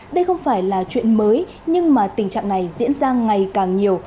đây không phải là chuyện mới nhưng mà tình trạng này diễn ra ngày càng nhiều